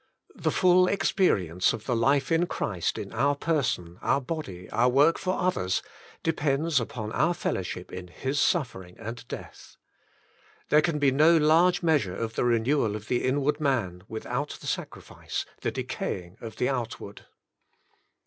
'' The full experience of the life in Christ in our person, our body, our work for others, depends upon our fellowship in His suf fering and death. There can be no large measure of the renewal of the inward man, without the sacrifice, the decaying of the outward.